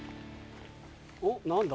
おっ何だ？